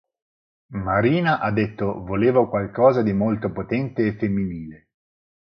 Marina ha detto "Volevo qualcosa di molto potente e femminile".